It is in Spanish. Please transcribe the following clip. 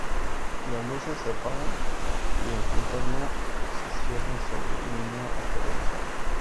Las luces se apagan, y el fantasma se cierne sobre el niño aterrorizado.